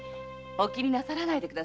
気になさらないでください。